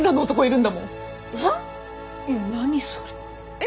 えっ？